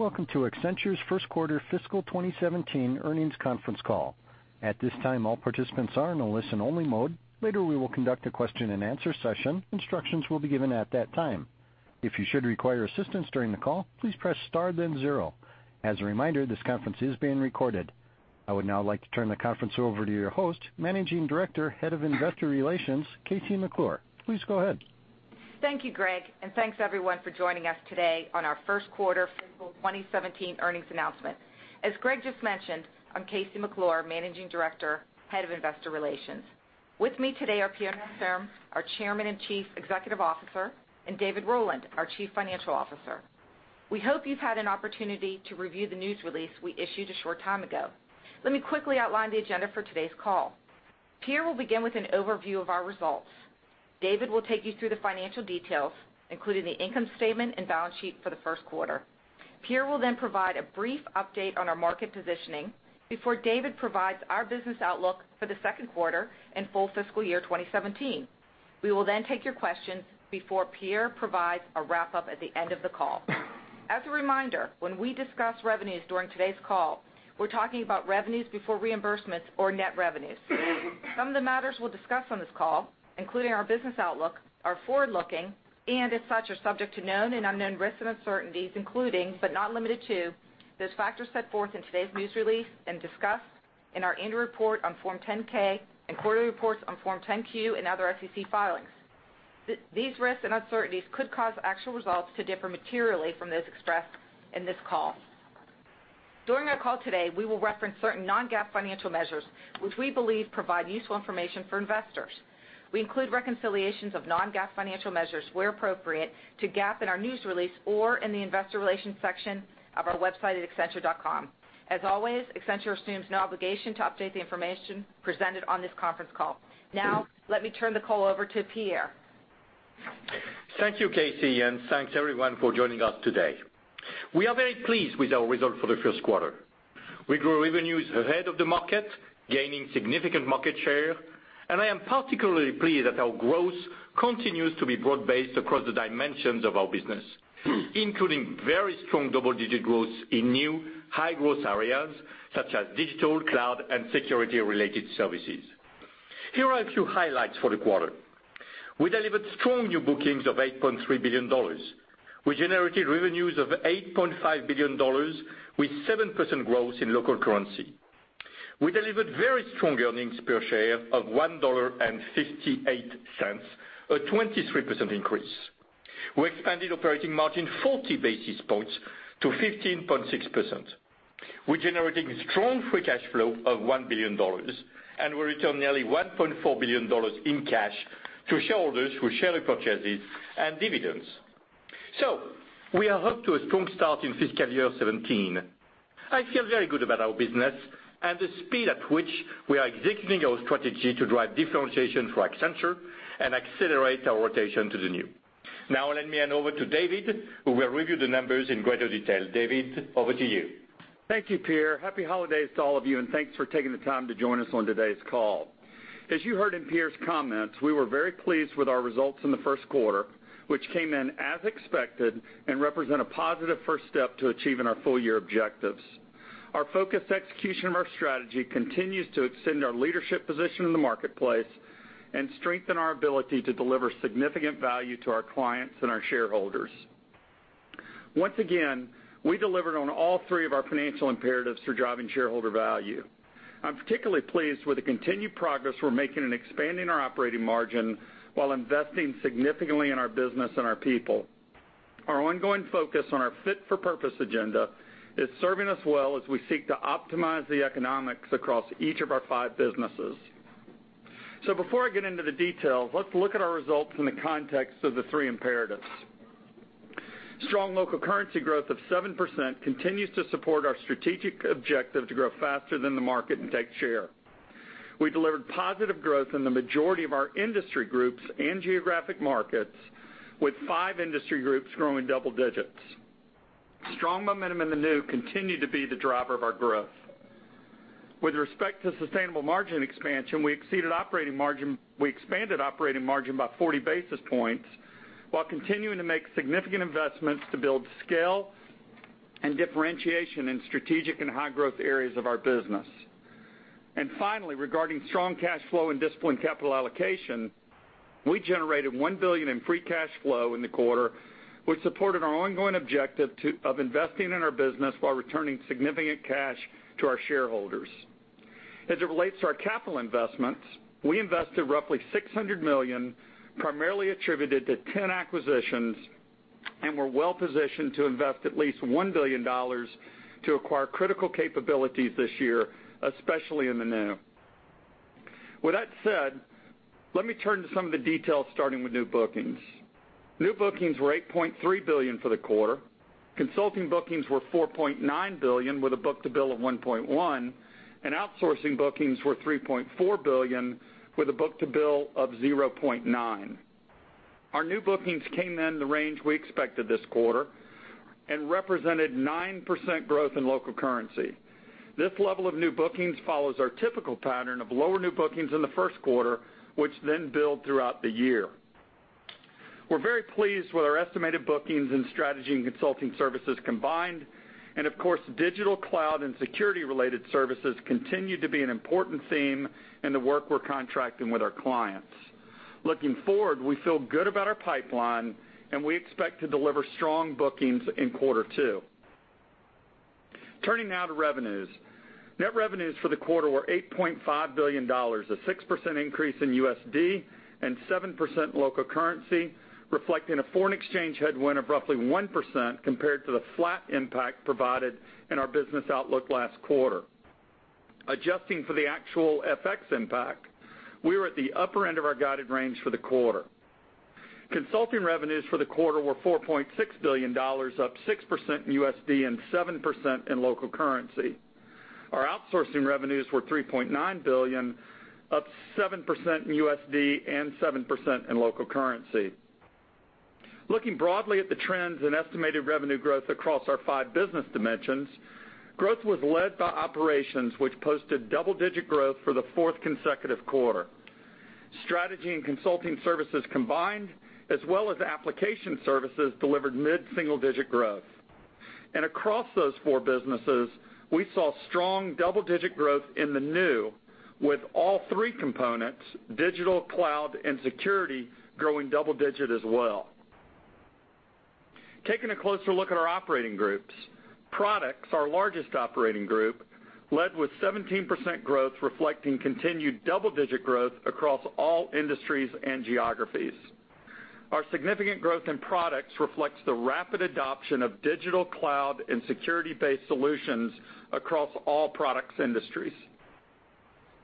Welcome to Accenture's first quarter fiscal 2017 earnings conference call. At this time, all participants are in a listen-only mode. Later, we will conduct a question-and-answer session. Instructions will be given at that time. If you should require assistance during the call, please press star then zero. As a reminder, this conference is being recorded. I would now like to turn the conference over to your host, Managing Director, Head of Investor Relations, KC McClure. Please go ahead. Thank you, Greg. Thanks everyone for joining us today on our first quarter fiscal 2017 earnings announcement. As Greg just mentioned, I'm KC McClure, Managing Director, Head of Investor Relations. With me today are Pierre Nanterme, our Chairman and Chief Executive Officer, and David Rowland, our Chief Financial Officer. We hope you've had an opportunity to review the news release we issued a short time ago. Let me quickly outline the agenda for today's call. Pierre will begin with an overview of our results. David will take you through the financial details, including the income statement and balance sheet for the first quarter. Pierre will then provide a brief update on our market positioning before David provides our business outlook for the second quarter and full fiscal year 2017. We will then take your questions before Pierre provides a wrap-up at the end of the call. As a reminder, when we discuss revenues during today's call, we're talking about revenues before reimbursements or net revenues. Some of the matters we'll discuss on this call, including our business outlook, are forward-looking, and as such, are subject to known and unknown risks and uncertainties, including but not limited to those factors set forth in today's news release and discussed in our annual report on Form 10-K and quarterly reports on Form 10-Q and other SEC filings. These risks and uncertainties could cause actual results to differ materially from those expressed in this call. During our call today, we will reference certain non-GAAP financial measures which we believe provide useful information for investors. We include reconciliations of non-GAAP financial measures where appropriate to GAAP in our news release or in the investor relations section of our website at accenture.com. As always, Accenture assumes no obligation to update the information presented on this conference call. Now, let me turn the call over to Pierre. Thank you, KC, and thanks everyone for joining us today. We are very pleased with our results for the first quarter. We grew revenues ahead of the market, gaining significant market share, and I am particularly pleased that our growth continues to be broad-based across the dimensions of our business, including very strong double-digit growth in new high-growth areas such as digital, cloud, and security-related services. Here are a few highlights for the quarter. We delivered strong new bookings of $8.3 billion. We generated revenues of $8.5 billion with 7% growth in local currency. We delivered very strong earnings per share of $1.58, a 23% increase. We expanded operating margin 40 basis points to 15.6%. We're generating strong free cash flow of $1 billion, and we returned nearly $1.4 billion in cash to shareholders through share repurchases and dividends. We are off to a strong start in fiscal year 2017. I feel very good about our business and the speed at which we are executing our strategy to drive differentiation for Accenture and accelerate our rotation to the new. Let me hand over to David, who will review the numbers in greater detail. David, over to you. Thank you, Pierre. Happy holidays to all of you, and thanks for taking the time to join us on today's call. As you heard in Pierre's comments, we were very pleased with our results in the first quarter, which came in as expected and represent a positive first step to achieving our full-year objectives. Our focused execution of our strategy continues to extend our leadership position in the marketplace and strengthen our ability to deliver significant value to our clients and our shareholders. Once again, we delivered on all three of our financial imperatives for driving shareholder value. I'm particularly pleased with the continued progress we're making in expanding our operating margin while investing significantly in our business and our people. Our ongoing focus on our fit-for-purpose agenda is serving us well as we seek to optimize the economics across each of our five businesses. Before I get into the details, let's look at our results in the context of the three imperatives. Strong local currency growth of 7% continues to support our strategic objective to grow faster than the market and take share. We delivered positive growth in the majority of our industry groups and geographic markets, with five industry groups growing double digits. Strong momentum in the new continued to be the driver of our growth. With respect to sustainable margin expansion, we expanded operating margin by 40 basis points while continuing to make significant investments to build scale and differentiation in strategic and high-growth areas of our business. Finally, regarding strong cash flow and disciplined capital allocation, we generated $1 billion in free cash flow in the quarter, which supported our ongoing objective of investing in our business while returning significant cash to our shareholders. As it relates to our capital investments, we invested roughly $600 million, primarily attributed to 10 acquisitions, and we're well positioned to invest at least $1 billion to acquire critical capabilities this year, especially in the new. With that said, let me turn to some of the details, starting with new bookings. New bookings were $8.3 billion for the quarter. Consulting bookings were $4.9 billion, with a book-to-bill of 1.1, and outsourcing bookings were $3.4 billion with a book-to-bill of 0.9. Our new bookings came in the range we expected this quarter and represented 9% growth in local currency. This level of new bookings follows our typical pattern of lower new bookings in the first quarter, which then build throughout the year. We're very pleased with our estimated bookings in strategy and consulting services combined. Of course, digital cloud and security-related services continue to be an important theme in the work we're contracting with our clients. Looking forward, we feel good about our pipeline, and we expect to deliver strong bookings in quarter two. Turning now to revenues. Net revenues for the quarter were $8.5 billion, a 6% increase in USD and 7% local currency, reflecting a foreign exchange headwind of roughly 1% compared to the flat impact provided in our business outlook last quarter. Adjusting for the actual FX impact, we were at the upper end of our guided range for the quarter. Consulting revenues for the quarter were $4.6 billion, up 6% in USD and 7% in local currency. Our outsourcing revenues were $3.9 billion, up 7% in USD and 7% in local currency. Looking broadly at the trends in estimated revenue growth across our five business dimensions, growth was led by operations, which posted double-digit growth for the fourth consecutive quarter. Strategy and consulting services combined, as well as application services, delivered mid-single-digit growth. Across those four businesses, we saw strong double-digit growth in the new, with all three components, digital, cloud, and security, growing double digit as well. Taking a closer look at our operating groups, Products, our largest operating group, led with 17% growth, reflecting continued double-digit growth across all industries and geographies. Our significant growth in Products reflects the rapid adoption of digital, cloud, and security-based solutions across all Products industries.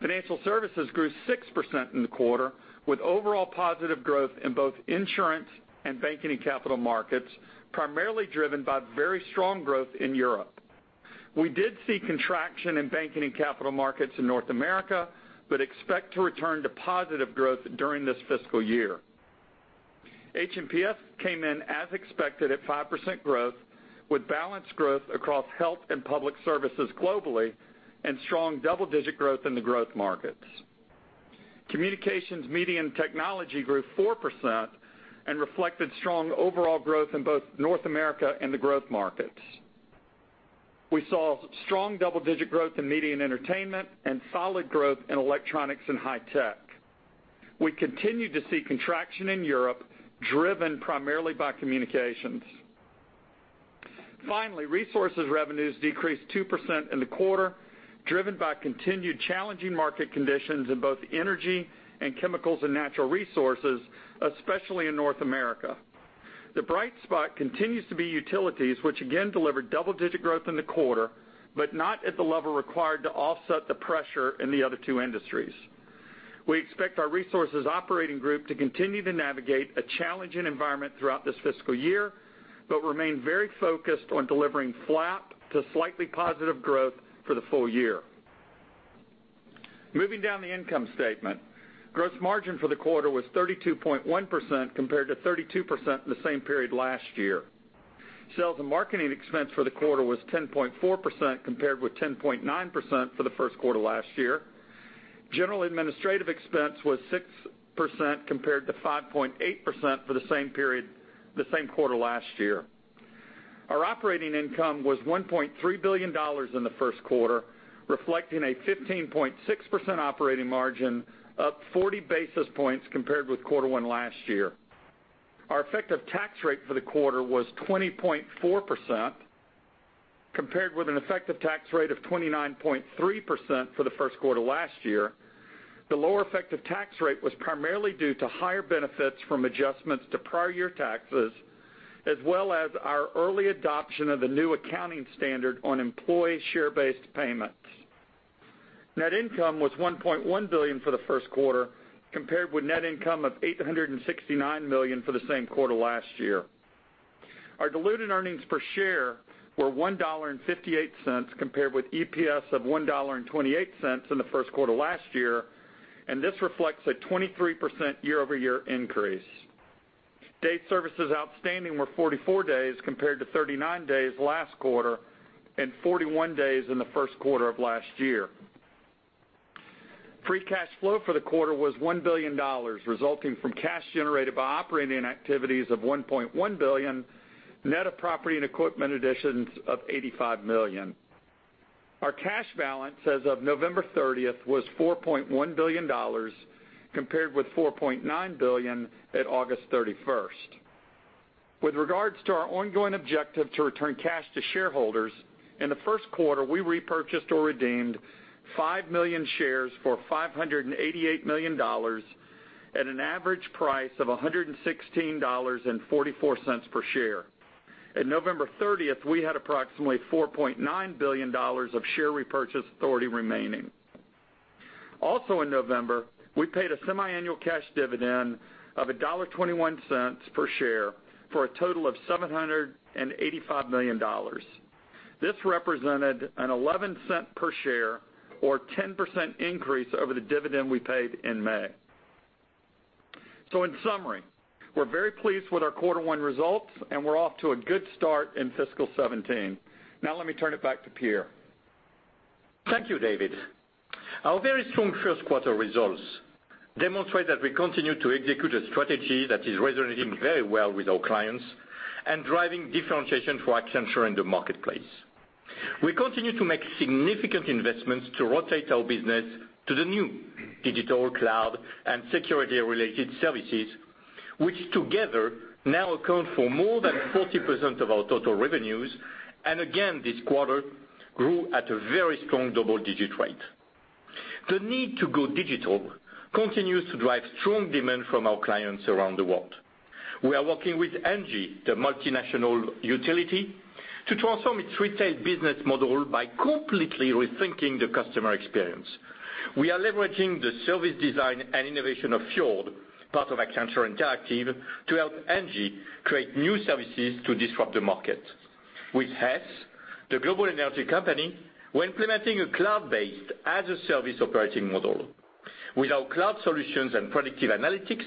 Financial services grew 6% in the quarter, with overall positive growth in both insurance and banking and capital markets, primarily driven by very strong growth in Europe. We did see contraction in banking and capital markets in North America, but expect to return to positive growth during this fiscal year. H&PS came in as expected at 5% growth, with balanced growth across health and public services globally and strong double-digit growth in the growth markets. Communications, media, and technology grew 4% and reflected strong overall growth in both North America and the growth markets. We saw strong double-digit growth in media and entertainment and solid growth in electronics and high tech. We continued to see contraction in Europe, driven primarily by communications. Finally, resources revenues decreased 2% in the quarter, driven by continued challenging market conditions in both energy and chemicals and natural resources, especially in North America. The bright spot continues to be utilities, which again delivered double-digit growth in the quarter, but not at the level required to offset the pressure in the other two industries. We expect our resources operating group to continue to navigate a challenging environment throughout this fiscal year, but remain very focused on delivering flat to slightly positive growth for the full year. Moving down the income statement, gross margin for the quarter was 32.1% compared to 32% in the same period last year. Sales and marketing expense for the quarter was 10.4% compared with 10.9% for the first quarter last year. General administrative expense was 6% compared to 5.8% for the same quarter last year. Our operating income was $1.3 billion in the first quarter, reflecting a 15.6% operating margin, up 40 basis points compared with quarter one last year. Our effective tax rate for the quarter was 20.4% compared with an effective tax rate of 29.3% for the first quarter last year. The lower effective tax rate was primarily due to higher benefits from adjustments to prior year taxes, as well as our early adoption of the new accounting standard on employee share-based payments. Net income was $1.1 billion for the first quarter, compared with net income of $869 million for the same quarter last year. Our diluted earnings per share were $1.58 compared with EPS of $1.28 in the first quarter last year, and this reflects a 23% year-over-year increase. Days services outstanding were 44 days compared to 39 days last quarter and 41 days in the first quarter of last year. Free cash flow for the quarter was $1 billion, resulting from cash generated by operating activities of $1.1 billion, net of property and equipment additions of $85 million. Our cash balance as of November 30th was $4.1 billion, compared with $4.9 billion at August 31st. With regards to our ongoing objective to return cash to shareholders, in the first quarter, we repurchased or redeemed 5 million shares for $588 million at an average price of $116.44 per share. At November 30th, we had approximately $4.9 billion of share repurchase authority remaining. Also in November, we paid a semiannual cash dividend of $1.21 per share for a total of $785 million. This represented an $0.11 per share or 10% increase over the dividend we paid in May. In summary, we're very pleased with our quarter one results, and we're off to a good start in fiscal 2017. So now let me turn it back to Pierre. Thank you, David. Our very strong first quarter results demonstrate that we continue to execute a strategy that is resonating very well with our clients and driving differentiation for Accenture in the marketplace. We continue to make significant investments to rotate our business to the new digital cloud and security-related services, which together now account for more than 40% of our total revenues, and again this quarter grew at a very strong double-digit rate. The need to go digital continues to drive strong demand from our clients around the world. We are working with ENGIE, the multinational utility, to transform its retail business model by completely rethinking the customer experience. We are leveraging the service design and innovation of Fjord, part of Accenture Interactive, to help ENGIE create new services to disrupt the market. With Hess, the global energy company, we're implementing a cloud-based Azure service operating model. With our cloud solutions and predictive analytics,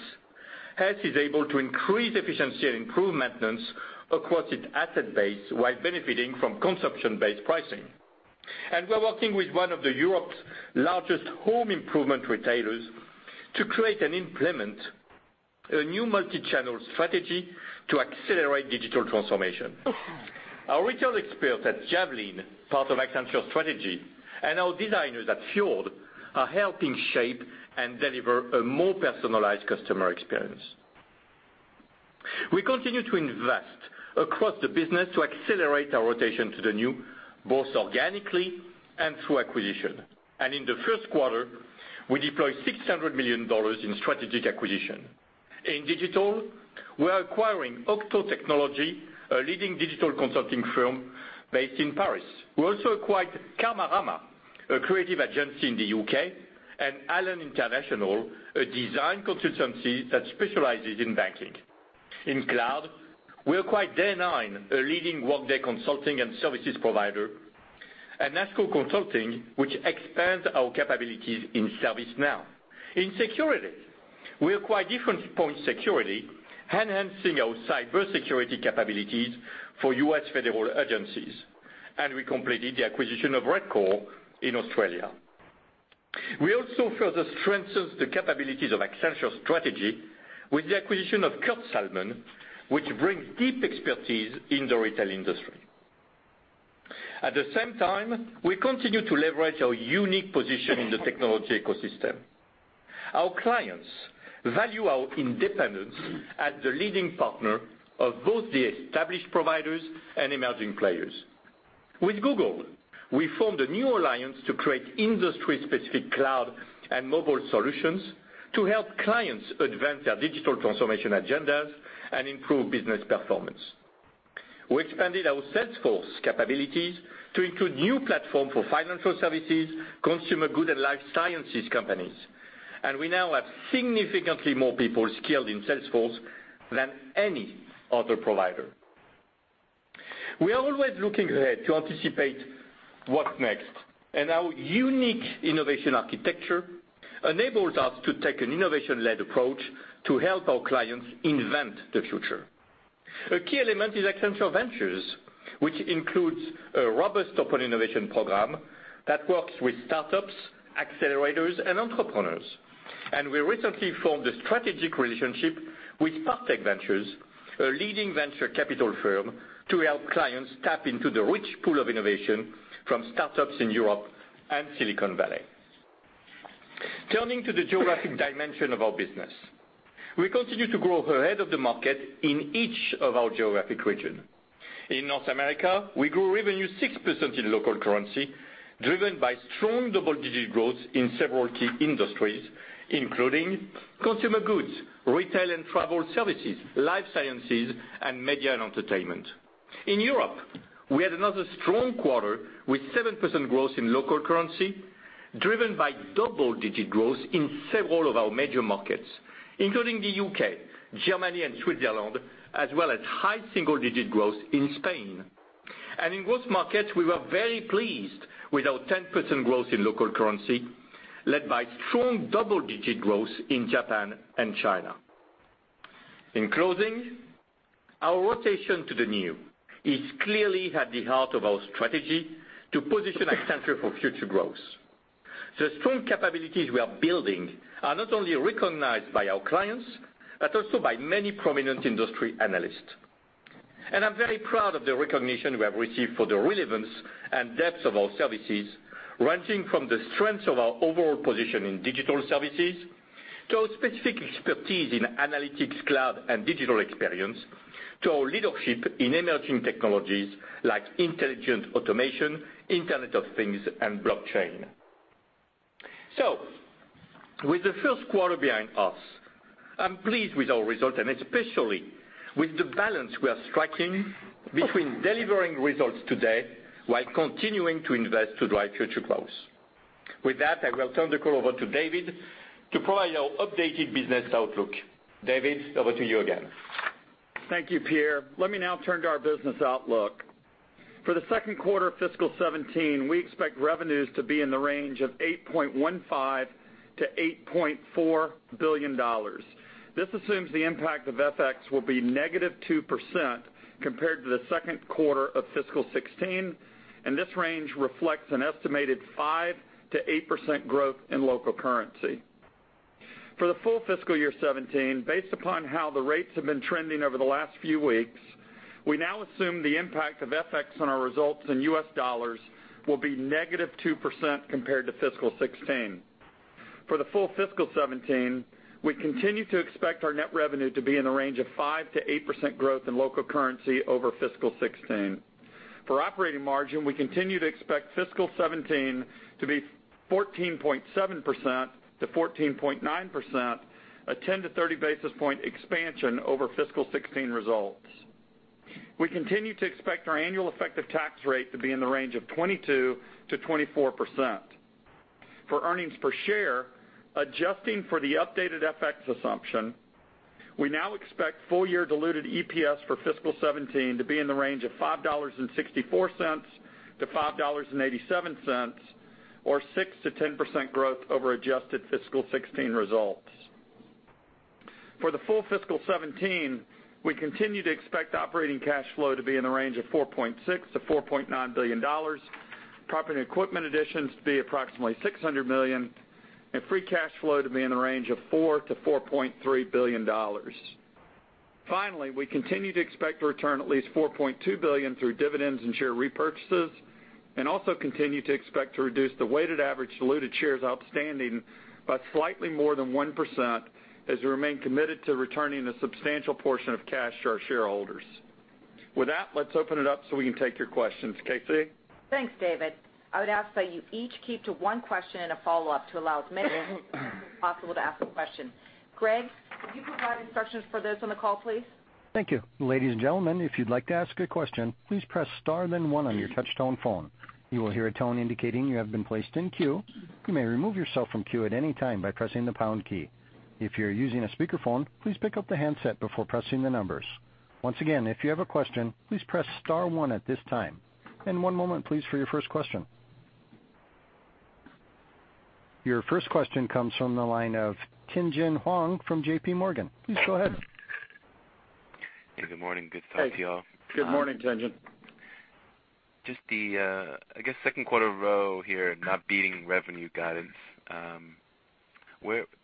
Hess is able to increase efficiency and improve maintenance across its asset base while benefiting from consumption-based pricing. We're working with one of Europe's largest home improvement retailers to create and implement a new multi-channel strategy to accelerate digital transformation. Our retail experts at Javelin, part of Accenture Strategy, and our designers at Fjord, are helping shape and deliver a more personalized customer experience. We continue to invest across the business to accelerate our rotation to the new, both organically and through acquisition. In the first quarter, we deployed $600 million in strategic acquisition. In digital, we're acquiring OCTO Technology, a leading digital consulting firm based in Paris. We also acquired Karmarama, a creative agency in the U.K., and Allen International, a design consultancy that specializes in banking. In cloud, we acquired DayNine, a leading Workday consulting and services provider, and Nashco Consulting, which expands our capabilities in ServiceNow. In security, we acquired Defense Point Security, enhancing our cybersecurity capabilities for U.S. federal agencies. We completed the acquisition of Redcore in Australia. We also further strengthened the capabilities of Accenture Strategy with the acquisition of Kurt Salmon, which brings deep expertise in the retail industry. At the same time, we continue to leverage our unique position in the technology ecosystem. Our clients value our independence as the leading partner of both the established providers and emerging players. With Google, we formed a new alliance to create industry-specific cloud and mobile solutions to help clients advance their digital transformation agendas and improve business performance. We expanded our Salesforce capabilities to include new platform for financial services, consumer goods, and life sciences companies. We now have significantly more people skilled in Salesforce than any other provider. We are always looking ahead to anticipate what's next, and our unique innovation architecture enables us to take an innovation-led approach to help our clients invent the future. A key element is Accenture Ventures, which includes a robust open innovation program that works with startups, accelerators, and entrepreneurs. We recently formed a strategic relationship with Partech Ventures, a leading venture capital firm, to help clients tap into the rich pool of innovation from startups in Europe and Silicon Valley. Turning to the geographic dimension of our business. We continue to grow ahead of the market in each of our geographic region. In North America, we grew revenue 6% in local currency, driven by strong double-digit growth in several key industries, including consumer goods, retail and travel services, life sciences, and media and entertainment. In Europe, we had another strong quarter with 7% growth in local currency, driven by double-digit growth in several of our major markets, including the U.K., Germany, and Switzerland, as well as high single-digit growth in Spain. In growth markets, we were very pleased with our 10% growth in local currency, led by strong double-digit growth in Japan and China. In closing, our rotation to the new is clearly at the heart of our strategy to position Accenture for future growth. The strong capabilities we are building are not only recognized by our clients, but also by many prominent industry analysts. I'm very proud of the recognition we have received for the relevance and depth of our services, ranging from the strength of our overall position in digital services to our specific expertise in analytics, cloud, and digital experience to our leadership in emerging technologies like intelligent automation, Internet of Things, and blockchain. With the first quarter behind us, I'm pleased with our results, and especially with the balance we are striking between delivering results today while continuing to invest to drive future growth. With that, I will turn the call over to David to provide our updated business outlook. David, over to you again. Thank you, Pierre. Let me now turn to our business outlook. For the second quarter of fiscal 2017, we expect revenues to be in the range of $8.15 billion-$8.4 billion. This assumes the impact of FX will be -2% compared to the second quarter of fiscal 2016, and this range reflects an estimated 5%-8% growth in local currency. For the full fiscal year 2017, based upon how the rates have been trending over the last few weeks, we now assume the impact of FX on our results in US dollars will be -2% compared to fiscal 2016. For the full fiscal 2017, we continue to expect our net revenue to be in the range of 5%-8% growth in local currency over fiscal 2016. For operating margin, we continue to expect fiscal 2017 to be 14.7%-14.9%, a 10-30 basis point expansion over fiscal 2016 results. We continue to expect our annual effective tax rate to be in the range of 22%-24%. For earnings per share, adjusting for the updated FX assumption, we now expect full year diluted EPS for fiscal 2017 to be in the range of $5.64-$5.87, or 6%-10% growth over adjusted fiscal 2016 results. For the full fiscal 2017, we continue to expect operating cash flow to be in the range of $4.6 billion-$4.9 billion, property and equipment additions to be approximately $600 million, and free cash flow to be in the range of $4 billion-$4.3 billion. Finally, we continue to expect to return at least $4.2 billion through dividends and share repurchases and also continue to expect to reduce the weighted average diluted shares outstanding by slightly more than 1% as we remain committed to returning a substantial portion of cash to our shareholders. With that, let's open it up so we can take your questions. KC? Thanks, David. I would ask that you each keep to one question and a follow-up to allow as many of you as possible to ask a question. Greg, could you provide instructions for those on the call, please? Thank you. Ladies and gentlemen, if you'd like to ask a question, please press star then one on your touch-tone phone. You will hear a tone indicating you have been placed in queue. You may remove yourself from queue at any time by pressing the pound key. If you're using a speakerphone, please pick up the handset before pressing the numbers. Once again, if you have a question, please press star one at this time. One moment please for your first question. Your first question comes from the line of Tien-Tsin Huang from JPMorgan. Please go ahead. Hey, good morning. Good to talk to you all. Good morning, Tien-Tsin. Just the, I guess, second quarter row here not beating revenue guidance.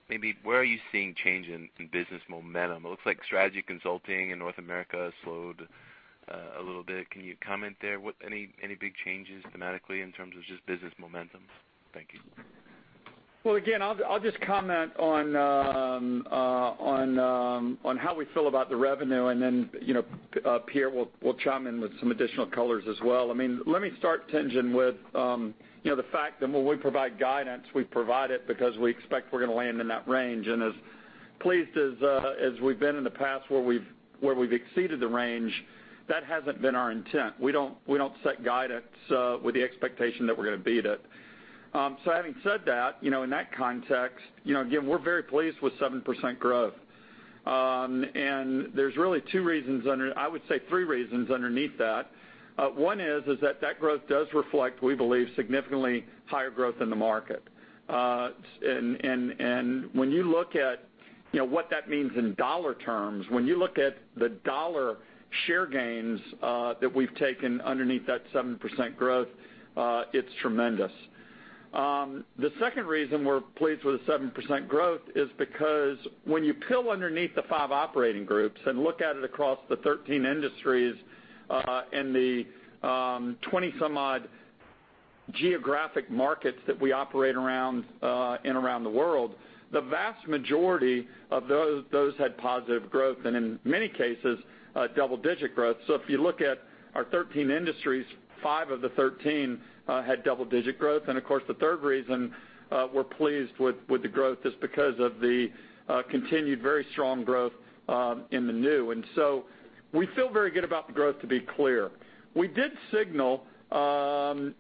Maybe where are you seeing change in business momentum? It looks like Strategy Consulting in North America slowed a little bit. Can you comment there? Any big changes thematically in terms of just business momentum? Thank you. Well, again, I'll just comment on how we feel about the revenue and then, Pierre will chime in with some additional colors as well. Let me start, Tien-Tsin, with the fact that when we provide guidance, we provide it because we expect we're going to land in that range. As pleased as we've been in the past where we've exceeded the range, that hasn't been our intent. We don't set guidance with the expectation that we're going to beat it. Having said that, in that context, again, we're very pleased with 7% growth. There's really two reasons I would say three reasons underneath that. One is that growth does reflect, we believe, significantly higher growth in the market. When you look at what that means in dollar terms, when you look at the dollar share gains that we've taken underneath that 7% growth, it's tremendous. The second reason we're pleased with the 7% growth is because when you peel underneath the 5 operating groups and look at it across the 13 industries and the 20 some odd geographic markets that we operate in around the world, the vast majority of those had positive growth, and in many cases, double-digit growth. If you look at our 13 industries, five of the 13 had double-digit growth. Of course, the third reason we're pleased with the growth is because of the continued very strong growth in the new. We feel very good about the growth, to be clear. We did signal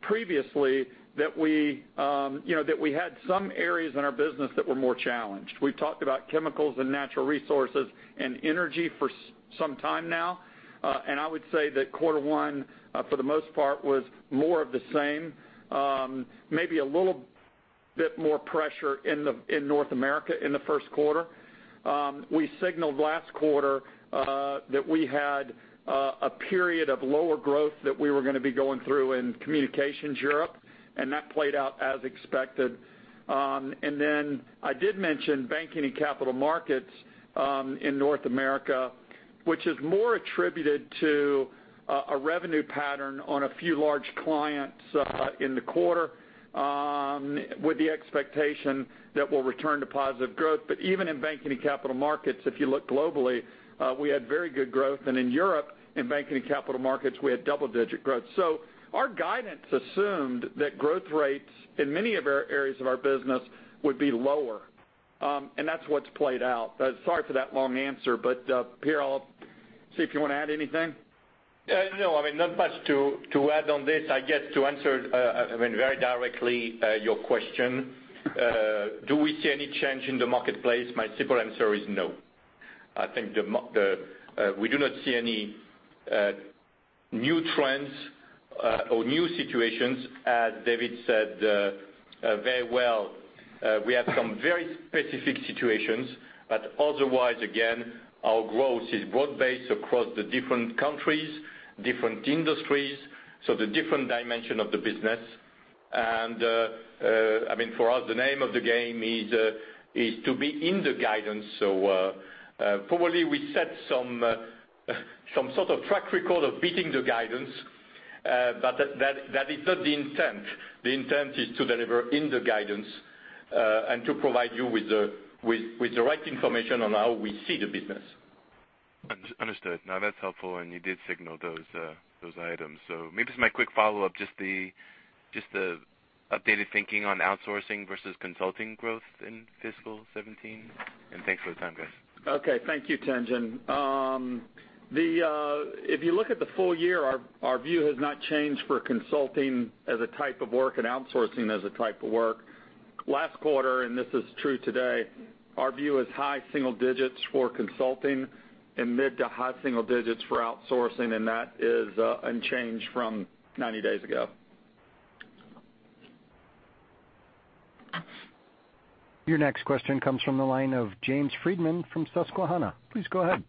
previously that we had some areas in our business that were more challenged. We've talked about chemicals and natural resources and energy for some time now. I would say that quarter one, for the most part, was more of the same. Maybe a little bit more pressure in North America in the first quarter. We signaled last quarter that we had a period of lower growth that we were going to be going through in Communications Europe, and that played out as expected. Then I did mention banking and capital markets in North America, which is more attributed to a revenue pattern on a few large clients in the quarter, with the expectation that we'll return to positive growth. But even in banking and capital markets, if you look globally, we had very good growth. And in Europe, in banking and capital markets, we had double-digit growth. Our guidance assumed that growth rates in many areas of our business would be lower. That's what's played out. Sorry for that long answer, but Pierre, I'll see if you want to add anything. No, not much to add on this. I guess to answer, very directly your question, do we see any change in the marketplace? My simple answer is no. I think we do not see any new trends or new situations, as David said very well, we have some very specific situations, but otherwise, again, our growth is broad-based across the different countries, different industries, the different dimension of the business. For us, the name of the game is to be in the guidance. Probably we set some sort of track record of beating the guidance, but that is not the intent. The intent is to deliver in the guidance and to provide you with the right information on how we see the business. Understood. No, that's helpful, and you did signal those items. Maybe just my quick follow-up, just the updated thinking on outsourcing versus consulting growth in fiscal 2017. Thanks for the time, guys. Okay. Thank you, Tien-Tsin. If you look at the full year, our view has not changed for consulting as a type of work and outsourcing as a type of work. Last quarter, and this is true today, our view is high single digits for consulting and mid to high single digits for outsourcing, and that is unchanged from 90 days ago. Your next question comes from the line of James Friedman from Susquehanna. Please go ahead.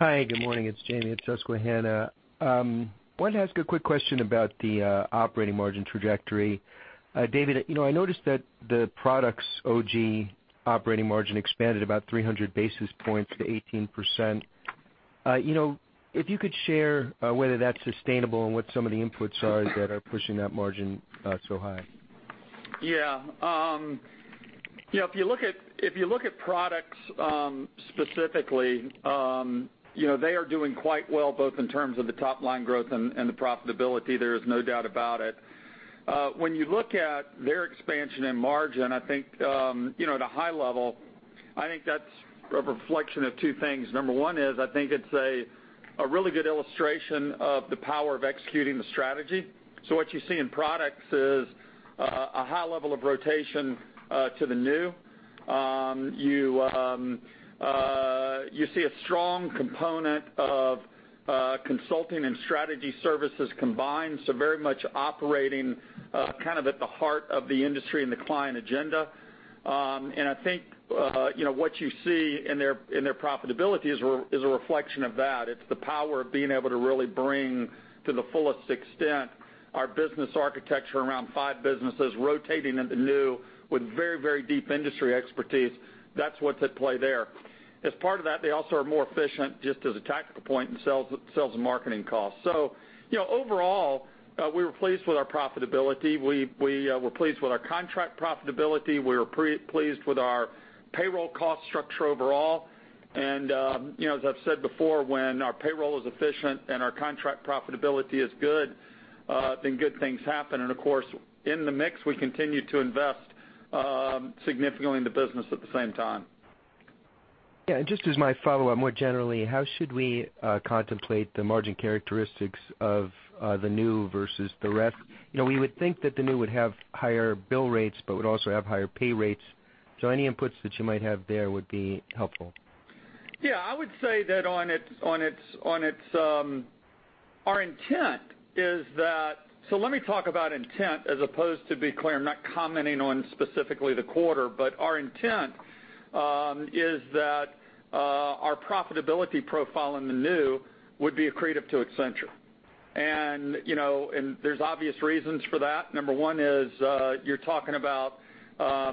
Hi, good morning. It's Jamie at Susquehanna. Wanted to ask a quick question about the operating margin trajectory. David, I noticed that the product's OG operating margin expanded about 300 basis points to 18%. If you could share whether that's sustainable and what some of the inputs are that are pushing that margin so high. Yeah. If you look at products specifically, they are doing quite well, both in terms of the top-line growth and the profitability. There is no doubt about it. When you look at their expansion and margin, at a high level, I think that's a reflection of two things. Number one is, I think it's a really good illustration of the power of executing the strategy. What you see in products is a high level of rotation to the new. You see a strong component of consulting and strategy services combined, very much operating at the heart of the industry and the client agenda. I think what you see in their profitability is a reflection of that. It's the power of being able to really bring, to the fullest extent, our business architecture around five businesses, rotating in the new with very deep industry expertise. That's what's at play there. As part of that, they also are more efficient, just as a tactical point, in sales and marketing costs. Overall, we were pleased with our profitability. We were pleased with our contract profitability. We were pleased with our payroll cost structure overall. As I've said before, when our payroll is efficient and our contract profitability is good, then good things happen. Of course, in the mix, we continue to invest significantly in the business at the same time. Just as my follow-up, more generally, how should we contemplate the margin characteristics of the new versus the rest? We would think that the new would have higher bill rates but would also have higher pay rates. Any inputs that you might have there would be helpful. I would say that our intent is that. Let me talk about intent, as opposed to, be clear, I'm not commenting on specifically the quarter. Our intent is that our profitability profile in the new would be accretive to Accenture. There's obvious reasons for that. Number one is you're talking about a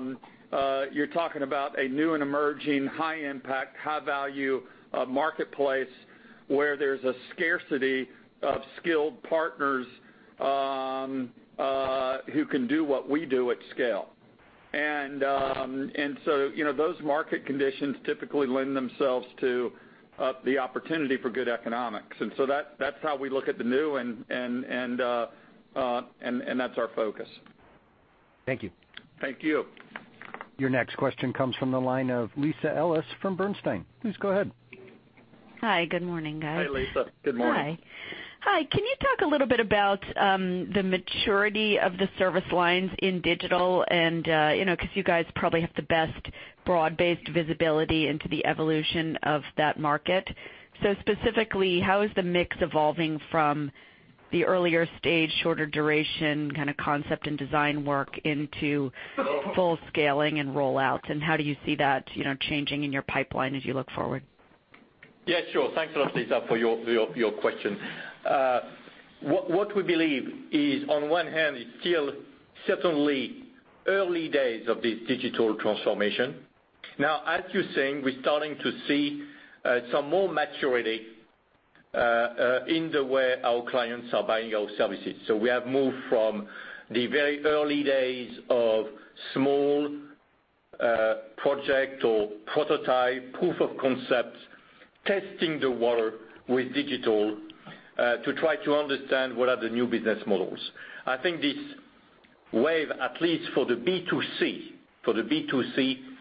new and emerging, high impact, high value marketplace where there's a scarcity of skilled partners who can do what we do at scale. Those market conditions typically lend themselves to the opportunity for good economics. That's how we look at the new and that's our focus. Thank you. Thank you. Your next question comes from the line of Lisa Ellis from Bernstein. Please go ahead. Hi, good morning, guys. Hi, Lisa. Good morning. Hi. Can you talk a little bit about the maturity of the service lines in digital? You guys probably have the best broad-based visibility into the evolution of that market. Specifically, how is the mix evolving from the earlier stage, shorter duration kind of concept and design work into full scaling and roll-outs? How do you see that changing in your pipeline as you look forward? Yeah, sure. Thanks a lot, Lisa, for your question. What we believe is, on one hand, it's still certainly early days of this digital transformation. ServiceNow, as you're saying, we're starting to see some more maturity in the way our clients are buying our services. We have moved from the very early days of small project or prototype proof of concepts, testing the water with digital to try to understand what are the new business models. I think this wave, at least for the B2C,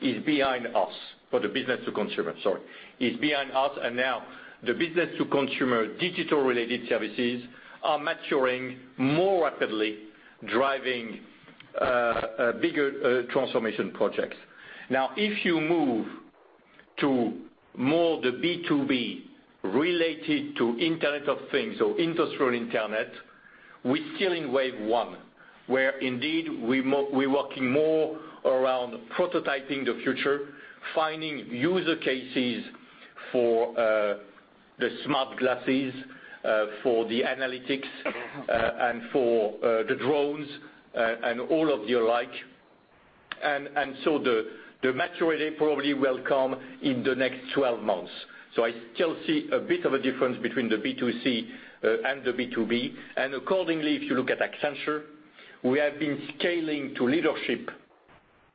is behind us. For the business to consumer, sorry, is behind us. Now the business to consumer digital-related services are maturing more rapidly, driving bigger transformation projects. ServiceNow, if you move to more the B2B related to Internet of Things or industrial internet, we're still in wave one, where indeed we're working more around prototyping the future, finding user cases for the smart glasses, for the analytics, and for the drones, and all of the alike. The maturity probably will come in the next 12 months. I still see a bit of a difference between the B2C and the B2B. Accordingly, if you look at Accenture, we have been scaling to leadership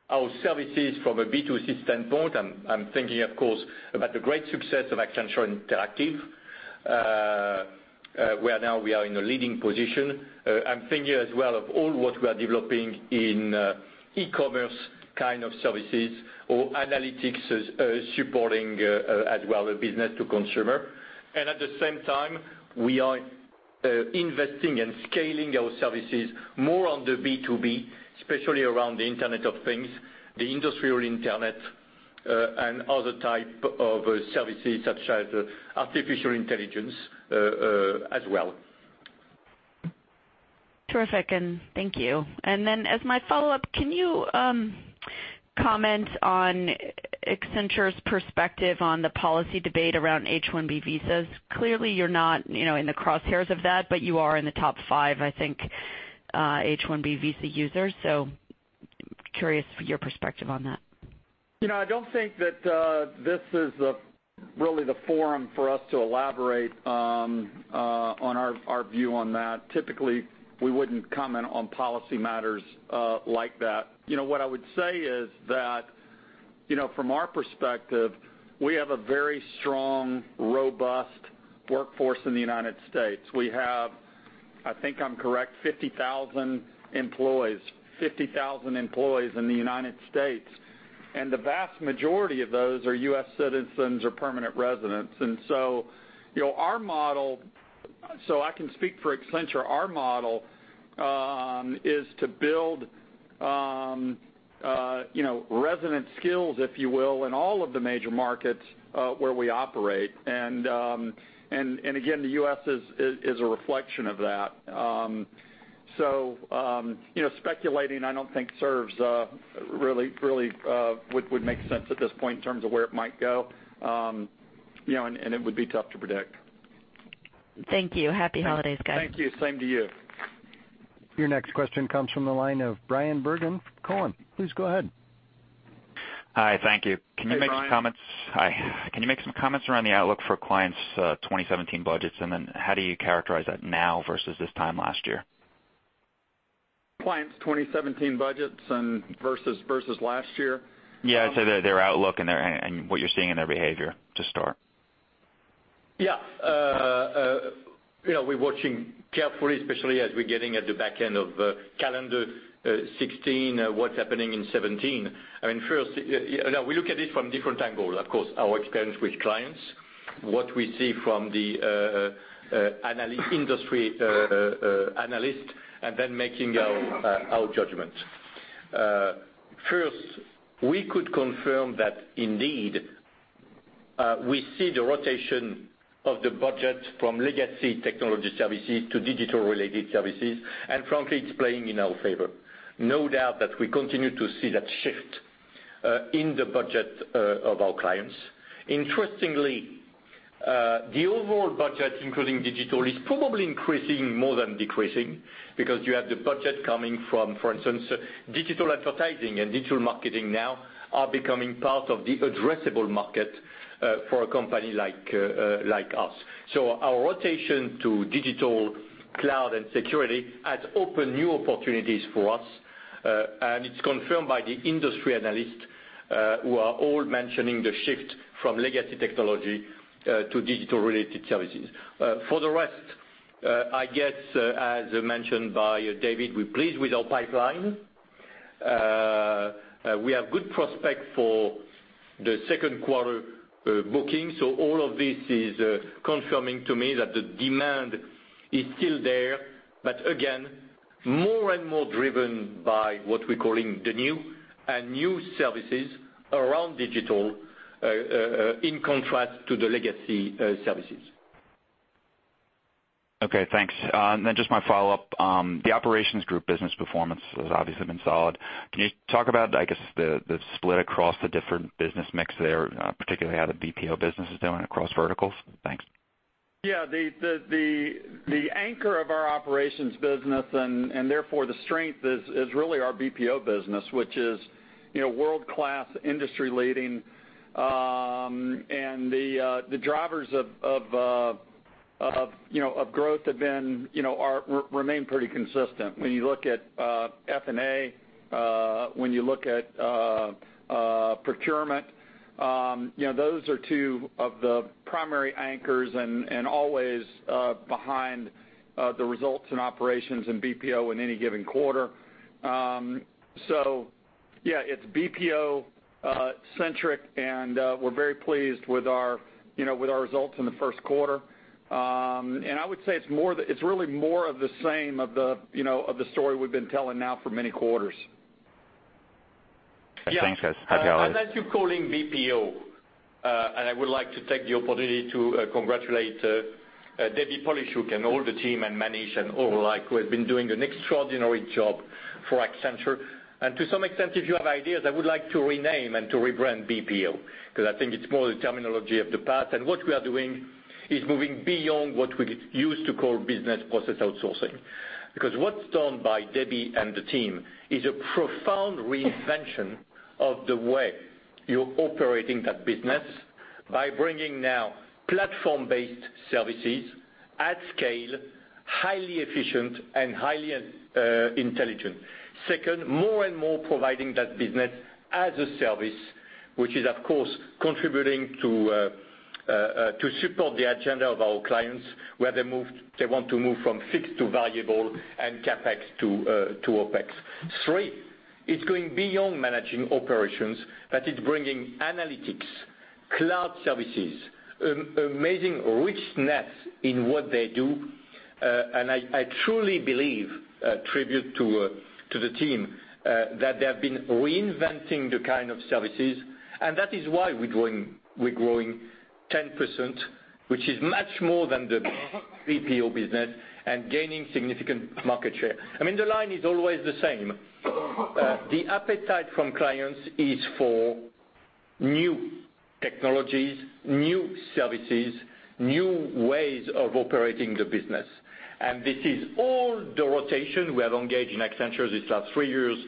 our services from a B2C standpoint. I'm thinking, of course, about the great success of Accenture Interactive, where now we are in a leading position. I'm thinking as well of all what we are developing in e-commerce kind of services or analytics supporting as well the business to consumer. At the same time, we are investing and scaling our services more on the B2B, especially around the Internet of Things, the industrial internet, and other type of services such as artificial intelligence as well. Terrific. Thank you. As my follow-up, can you comment on Accenture's perspective on the policy debate around H-1B visas? Clearly, you're not in the crosshairs of that, but you are in the top five, I think, H-1B visa users. Curious for your perspective on that. I don't think that this is really the forum for us to elaborate on our view on that. Typically, we wouldn't comment on policy matters like that. What I would say is that, from our perspective, we have a very strong, robust workforce in the U.S. We have, I think I'm correct, 50,000 employees in the U.S., and the vast majority of those are U.S. citizens or permanent residents. I can speak for Accenture, our model is to build resident skills, if you will, in all of the major markets where we operate. Again, the U.S. is a reflection of that. Speculating I don't think serves really would make sense at this point in terms of where it might go. It would be tough to predict. Thank you. Happy holidays, guys. Thank you. Same to you. Your next question comes from the line of Bryan Bergin. Please go ahead. Hi, thank you. Hey, Bryan. Hi. Can you make some comments around the outlook for clients' 2017 budgets, and then how do you characterize that now versus this time last year? Clients' 2017 budgets versus last year? Yeah. Their outlook and what you're seeing in their behavior to start. Yeah. We're watching carefully, especially as we're getting at the back end of calendar 2016, what's happening in 2017. First, we look at it from different angles, of course, our experience with clients, what we see from the industry analyst, and then making our judgment. First, we could confirm that indeed, we see the rotation of the budget from legacy technology services to digital-related services. Frankly, it's playing in our favor. No doubt that we continue to see that shift in the budget of our clients. Interestingly, the overall budget, including digital, is probably increasing more than decreasing because you have the budget coming from, for instance, digital advertising and digital marketing now are becoming part of the addressable market for a company like us. Our rotation to digital, cloud, and security has opened new opportunities for us, and it's confirmed by the industry analysts, who are all mentioning the shift from legacy technology to digital-related services. For the rest, I guess, as mentioned by David, we're pleased with our pipeline. We have good prospect for the second quarter booking. All of this is confirming to me that the demand is still there, but again, more and more driven by what we're calling the new and new services around digital, in contrast to the legacy services. Okay, thanks. Just my follow-up. The operations group business performance has obviously been solid. Can you talk about, I guess, the split across the different business mix there, particularly how the BPO business is doing across verticals? Thanks. Yeah. The anchor of our Operations business, therefore the strength is really our BPO business, which is world-class industry leading. The drivers of growth remain pretty consistent. When you look at F&A, when you look at procurement, those are two of the primary anchors and always behind the results in Operations in BPO in any given quarter. Yeah, it's BPO centric, and we're very pleased with our results in the first quarter. I would say it's really more of the same of the story we've been telling now for many quarters. Yeah. Thanks, guys. Happy holidays. As you're calling BPO, I would like to take the opportunity to congratulate Debbie Polishook and all the team and Manish and all who have been doing an extraordinary job for Accenture. To some extent, if you have ideas, I would like to rename and to rebrand BPO, because I think it's more the terminology of the past. What we are doing is moving beyond what we used to call business process outsourcing. What's done by Debbie and the team is a profound reinvention of the way you're operating that business by bringing now platform-based services at scale, highly efficient, and highly intelligent. Second, more and more providing that business as a service, which is, of course, contributing to support the agenda of our clients, where they want to move from fixed to variable and CapEx to OpEx. Three, it's going beyond managing operations, that is bringing analytics, cloud services, amazing richness in what they do. I truly believe, a tribute to the team, that they have been reinventing the kind of services, and that is why we're growing 10%, which is much more than the BPO business and gaining significant market share. The line is always the same. The appetite from clients is for new technologies, new services, new ways of operating the business. This is all the rotation we have engaged in Accenture these last three years.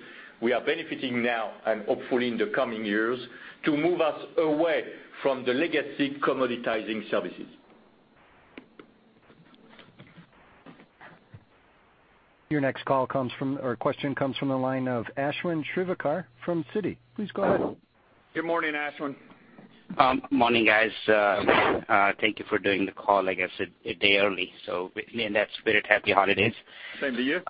We are benefiting now and hopefully in the coming years to move us away from the legacy commoditizing services. Your next question comes from the line of Ashwin Shirvaikar from Citi. Please go ahead. Good morning, Ashwin. Morning, guys. Thank you for doing the call, I guess, a day early. With me in that spirit, happy holidays. Same to you.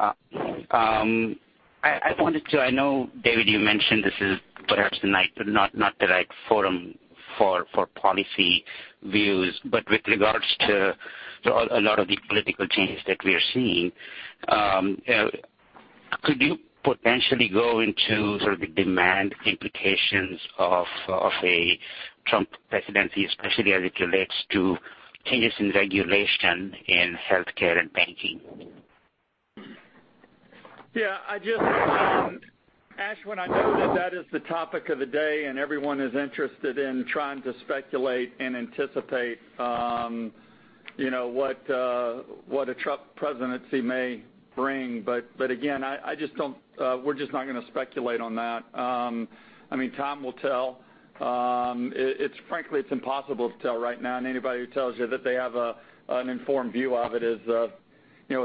I know, David, you mentioned this is perhaps not the right forum for policy views, with regards to a lot of the political changes that we are seeing, could you potentially go into sort of the demand implications of a Trump presidency, especially as it relates to changes in regulation in healthcare and banking? Yeah. Ashwin, I know that that is the topic of the day, everyone is interested in trying to speculate and anticipate what a Trump presidency may bring. Again, we're just not going to speculate on that. Time will tell. Frankly, it's impossible to tell right now, anybody who tells you that they have an informed view of it is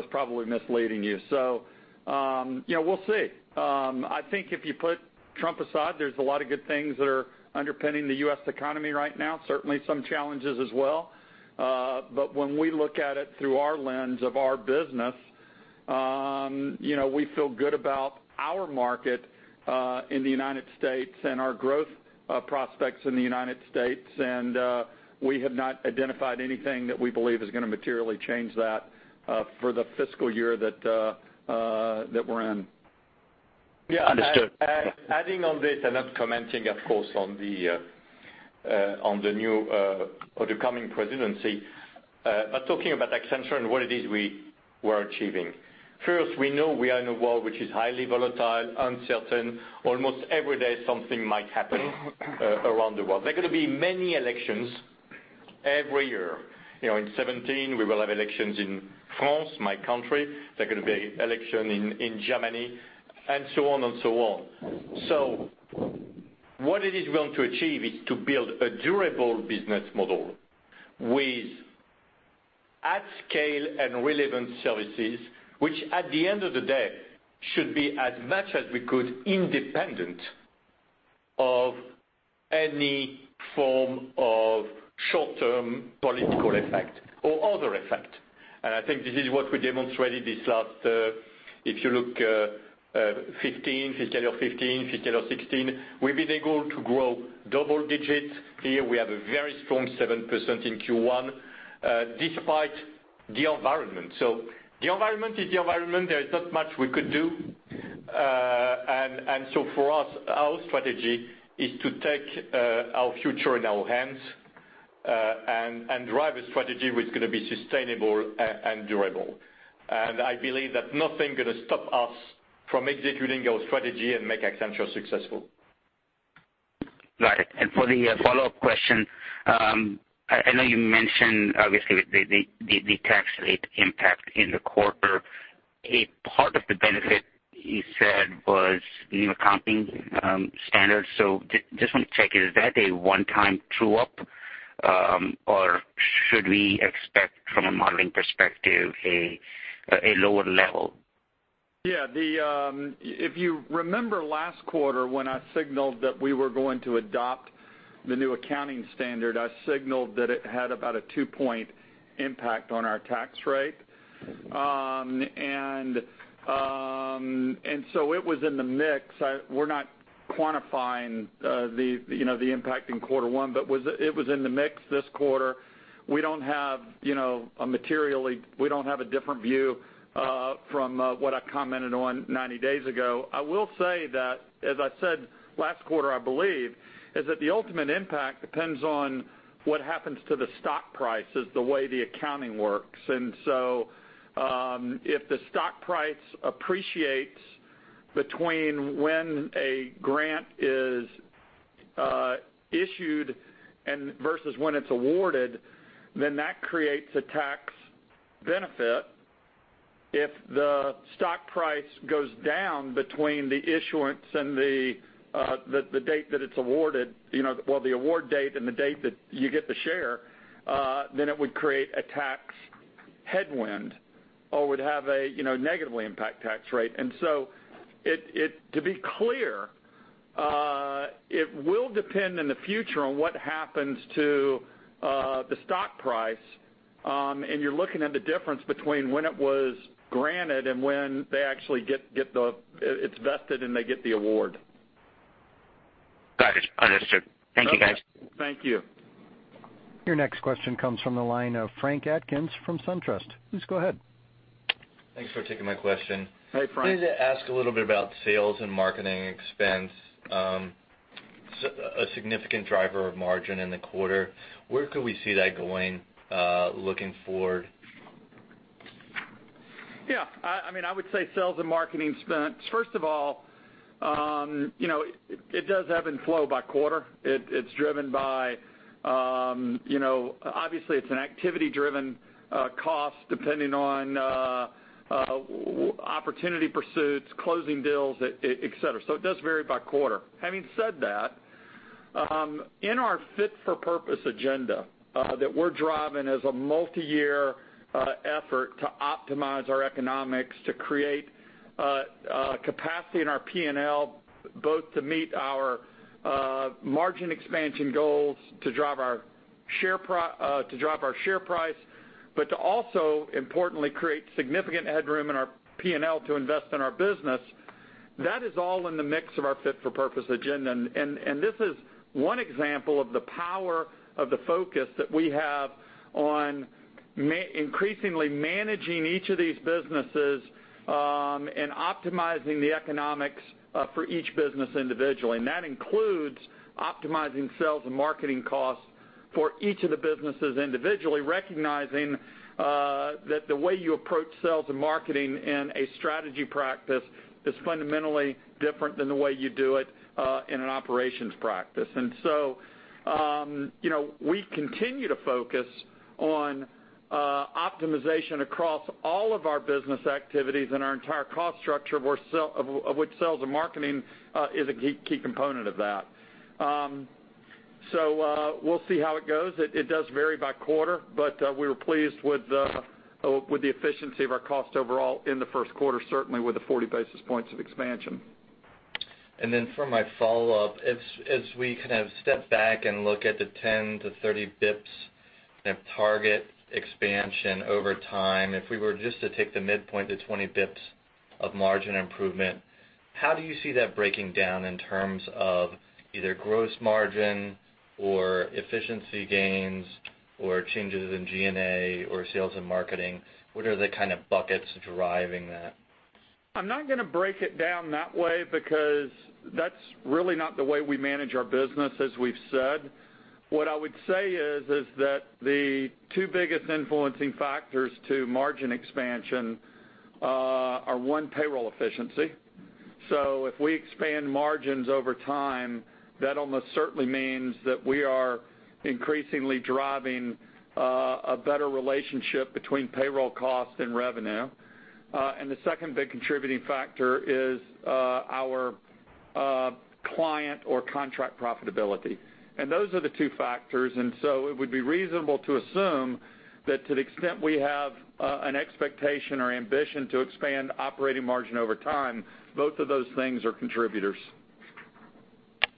probably misleading you. We'll see. I think if you put Trump aside, there's a lot of good things that are underpinning the U.S. economy right now. Certainly some challenges as well. But when we look at it through our lens of our business, we feel good about our market in the U.S. and our growth prospects in the U.S. We have not identified anything that we believe is going to materially change that for the fiscal year that we're in. Understood. Adding on this, not commenting, of course, on the coming presidency, talking about Accenture and what it is we were achieving. First, we know we are in a world which is highly volatile, uncertain. Almost every day, something might happen around the world. There are going to be many elections every year. In 2017, we will have elections in France, my country. There are going to be election in Germany, and so on and so on. What it is we want to achieve is to build a durable business model with at scale and relevant services, which at the end of the day, should be as much as we could independent of any form of short-term political effect or other effect. I think this is what we demonstrated this last, if you look fiscal year 2015, fiscal year 2016, we've been able to grow double digits. Here we have a very strong 7% in Q1 despite the environment. The environment is the environment. There is not much we could do. For us, our strategy is to take our future in our hands and drive a strategy which is going to be sustainable and durable. I believe that nothing going to stop us from executing our strategy and make Accenture successful. Got it. For the follow-up question, I know you mentioned, obviously, the tax rate impact in the quarter. A part of the benefit you said was new accounting standards. Just want to check, is that a one-time true-up, or should we expect from a modeling perspective a lower level? Yeah. If you remember last quarter when I signaled that we were going to adopt the new accounting standard, I signaled that it had about a two-point impact on our tax rate. It was in the mix. We're not quantifying the impact in quarter one, but it was in the mix this quarter. We don't have a different view from what I commented on 90 days ago. I will say that, as I said last quarter, I believe, is that the ultimate impact depends on what happens to the stock price, is the way the accounting works. If the stock price appreciates between when a grant is issued versus when it's awarded, then that creates a tax benefit. If the stock price goes down between the issuance and the date that it's awarded, well, the award date and the date that you get the share, then it would create a tax headwind or would have a negatively impact tax rate. To be clear, it will depend in the future on what happens to the stock price, and you're looking at the difference between when it was granted and when it's vested, and they get the award. Got it. Understood. Thank you, guys. Okay. Thank you. Your next question comes from the line of Frank Atkins from SunTrust. Please go ahead. Thanks for taking my question. Hey, Frank. I wanted to ask a little bit about sales and marketing expense, a significant driver of margin in the quarter. Where could we see that going, looking forward? Yeah. I would say sales and marketing expense, first of all, it does ebb and flow by quarter. Obviously, it's an activity-driven cost depending on opportunity pursuits, closing deals, et cetera. It does vary by quarter. Having said that, in our Fit for Purpose agenda that we're driving as a multi-year effort to optimize our economics, to create capacity in our P&L, both to meet our margin expansion goals, to drive our share price, but to also, importantly, create significant headroom in our P&L to invest in our business. That is all in the mix of our Fit for Purpose agenda. This is one example of the power of the focus that we have on increasingly managing each of these businesses, and optimizing the economics for each business individually. That includes optimizing sales and marketing costs for each of the businesses individually, recognizing that the way you approach sales and marketing in a strategy practice is fundamentally different than the way you do it in an operations practice. We continue to focus on optimization across all of our business activities and our entire cost structure, of which sales and marketing is a key component of that. We'll see how it goes. It does vary by quarter, but we were pleased with the efficiency of our cost overall in the first quarter, certainly with the 40 basis points of expansion. For my follow-up, as we kind of step back and look at the 10 to 30 basis points kind of target expansion over time, if we were just to take the midpoint to 20 basis points of margin improvement, how do you see that breaking down in terms of either gross margin or efficiency gains or changes in G&A or sales and marketing? What are the kind of buckets driving that? I'm not going to break it down that way because that's really not the way we manage our business, as we've said. What I would say is that the two biggest influencing factors to margin expansion are, one, payroll efficiency. If we expand margins over time, that almost certainly means that we are increasingly driving a better relationship between payroll cost and revenue. The second big contributing factor is our client or contract profitability. Those are the two factors, and so it would be reasonable to assume that to the extent we have an expectation or ambition to expand operating margin over time, both of those things are contributors.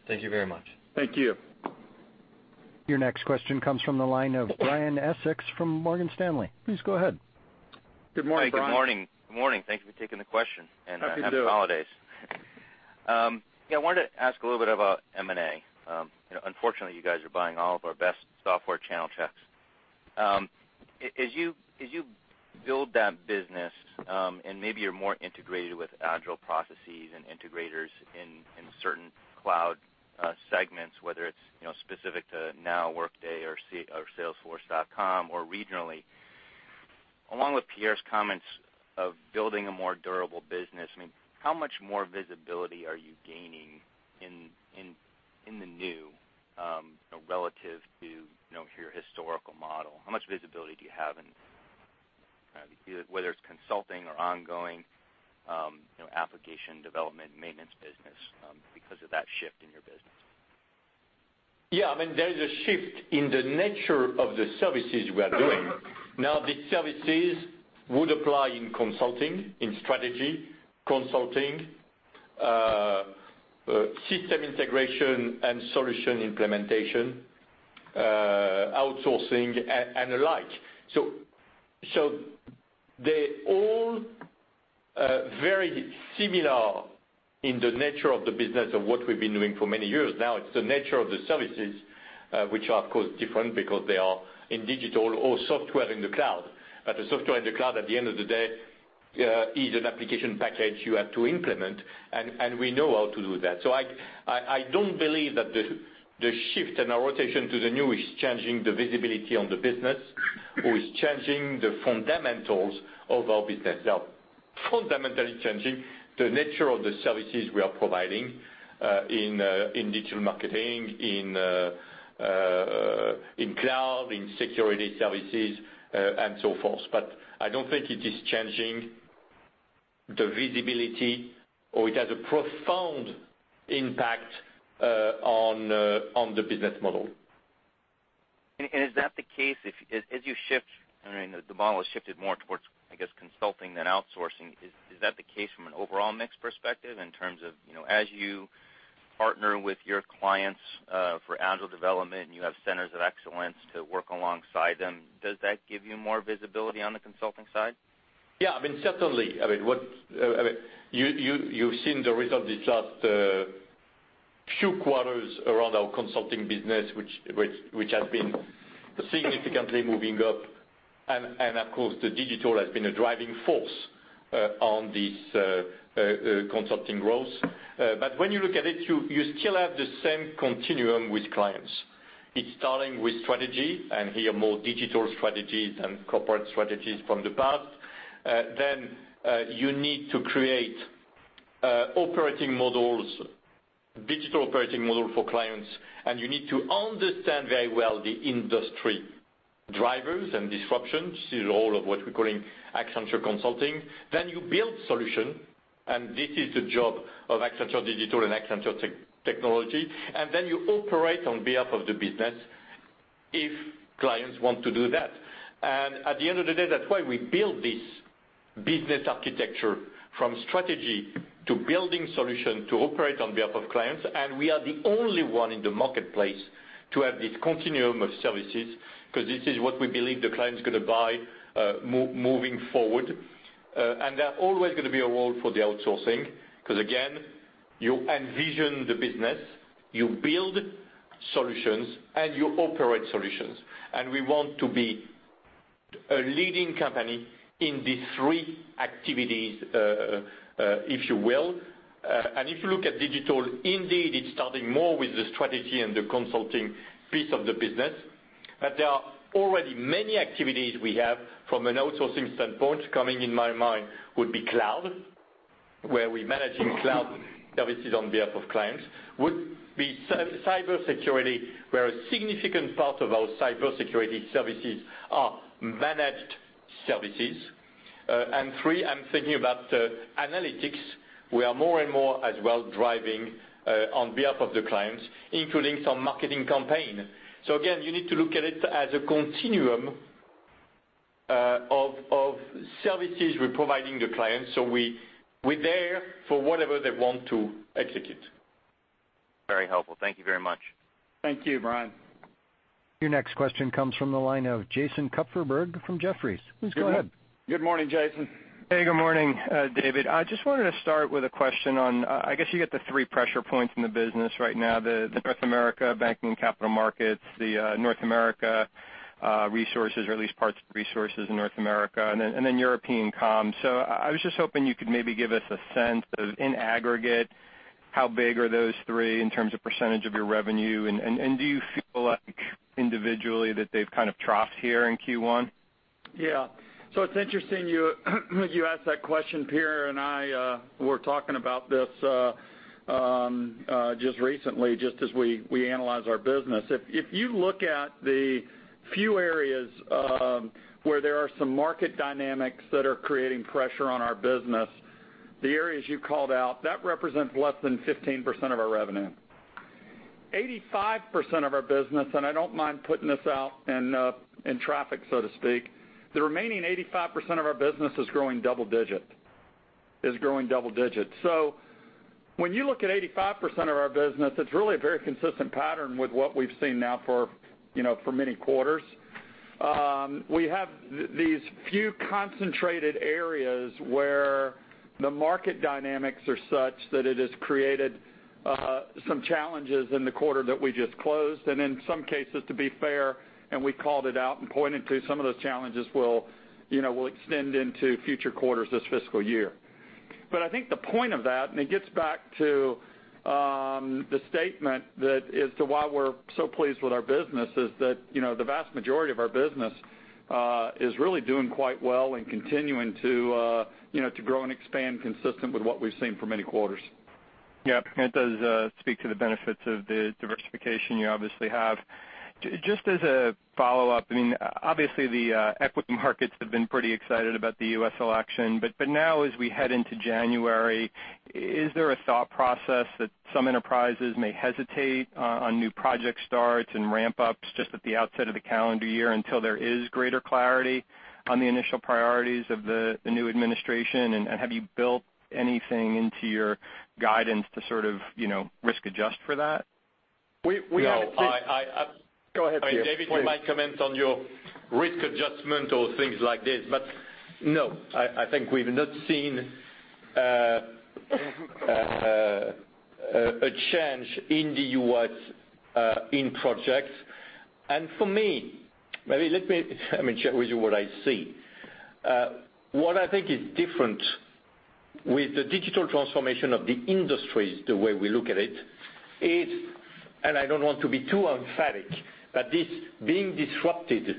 Thank you very much. Thank you. Your next question comes from the line of Brian Essex from Morgan Stanley. Please go ahead. Good morning, Brian. Good morning. Thank you for taking the question. Happy to do it. Happy holidays. Yeah, I wanted to ask a little bit about M&A. Unfortunately, you guys are buying all of our best software channel checks. As you build that business, and maybe you're more integrated with agile processes and integrators in certain cloud segments, whether it's specific to ServiceNow, Workday or salesforce.com or regionally. Along with Pierre's comments of building a more durable business, how much more visibility are you gaining in the new, relative to your historical model? How much visibility do you have in, whether it's consulting or ongoing application development maintenance business, because of that shift in your business? Yeah, there is a shift in the nature of the services we are doing. ServiceNow, these services would apply in consulting, in strategy consulting, system integration and solution implementation, outsourcing, and the like. They all very similar in the nature of the business of what we've been doing for many years now. It's the nature of the services, which are, of course, different because they are in digital or software in the cloud. The software in the cloud, at the end of the day, is an application package you have to implement, and we know how to do that. I don't believe that the shift and our rotation to the new is changing the visibility on the business or is changing the fundamentals of our business. They are fundamentally changing the nature of the services we are providing in digital marketing, in cloud, in security services, and so forth. I don't think it is changing the visibility or it has a profound impact on the business model. Is that the case, as you shift, the model has shifted more towards, I guess, consulting than outsourcing. Is that the case from an overall mix perspective in terms of as you partner with your clients for agile development, and you have centers of excellence to work alongside them, does that give you more visibility on the consulting side? Yeah. Certainly. You've seen the result these last few quarters around our consulting business, which has been significantly moving up. Of course, the digital has been a driving force on this consulting growth. When you look at it, you still have the same continuum with clients. It's starting with strategy, and here, more digital strategies than corporate strategies from the past. You need to create operating models, digital operating model for clients, and you need to understand very well the industry drivers and disruptions. This is all of what we're calling Accenture Consulting. You build solution, and this is the job of Accenture Digital and Accenture Technology, and then you operate on behalf of the business if clients want to do that. At the end of the day, that's why we build this business architecture from strategy to building solution to operate on behalf of clients. We are the only one in the marketplace to have this continuum of services, because this is what we believe the client's going to buy moving forward. There are always going to be a role for the outsourcing, because again, you envision the business, you build solutions, and you operate solutions. We want to be a leading company in these three activities, if you will. If you look at digital, indeed, it's starting more with the strategy and the consulting piece of the business. There are already many activities we have from an outsourcing standpoint. Coming in my mind would be cloud, where we're managing cloud services on behalf of clients. Would be cybersecurity, where a significant part of our cybersecurity services are managed services. Three, I'm thinking about analytics. We are more and more as well driving on behalf of the clients, including some marketing campaign. Again, you need to look at it as a continuum of services we're providing the clients. We're there for whatever they want to execute. Very helpful. Thank you very much. Thank you, Brian. Your next question comes from the line of Jason Kupferberg from Jefferies. Please go ahead. Good morning, Jason. Hey, good morning, David. I just wanted to start with a question on, I guess you got the three pressure points in the business right now, the North America banking capital markets, the North America resources, or at least parts of resources in North America, and then European comm. I was just hoping you could maybe give us a sense of, in aggregate, how big are those three in terms of percentage of your revenue, and do you feel like individually that they've kind of troughed here in Q1? Yeah. It's interesting you asked that question. Pierre and I were talking about this just recently, just as we analyze our business. If you look at the few areas where there are some market dynamics that are creating pressure on our business, the areas you called out, that represents less than 15% of our revenue. 85% of our business, and I don't mind putting this out in traffic, so to speak, the remaining 85% of our business is growing double digit. When you look at 85% of our business, it's really a very consistent pattern with what we've seen now for many quarters. We have these few concentrated areas where the market dynamics are such that it has created some challenges in the quarter that we just closed, and in some cases, to be fair, and we called it out and pointed to some of those challenges will extend into future quarters this fiscal year. I think the point of that, and it gets back to the statement that as to why we're so pleased with our business, is that the vast majority of our business is really doing quite well and continuing to grow and expand consistent with what we've seen for many quarters. Yeah. It does speak to the benefits of the diversification you obviously have. Just as a follow-up, obviously the equity markets have been pretty excited about the U.S. election, now as we head into January, is there a thought process that some enterprises may hesitate on new project starts and ramp-ups just at the outset of the calendar year until there is greater clarity on the initial priorities of the new administration? Have you built anything into your guidance to sort of risk adjust for that? No. Go ahead, Pierre, please. I mean, David, you might comment on your risk adjustment or things like this, but no, I think we've not seen a change in the U.S. in projects. For me, maybe let me share with you what I see. What I think is different with the digital transformation of the industry, the way we look at it, is, I don't want to be too emphatic, but this being disrupted